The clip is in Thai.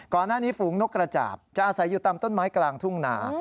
ก่อนหน้านี้ฝูงนกกระจาบจะอาศัยอยู่ตามต้นไม้กลางทุ่งนา